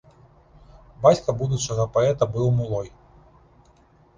Бацька будучага паэта быў мулой.